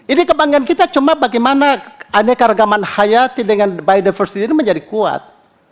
ini kebanggaan kita cuma bagaimana aneka regaman hayati dengan biodiversitas ini menjadi kuat